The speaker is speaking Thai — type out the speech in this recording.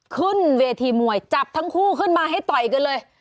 ขึ้นเวทีมวยจับทั้งคู่ขึ้นมาให้ต่อยกันเลย